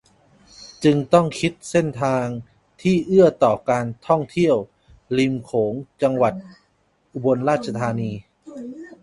จึงต้องคิดเส้นทางที่เอื้อต่อการท่องเที่ยวริมโขงของจังหวัดอุบลราชธานี